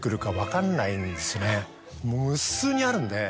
無数にあるんで。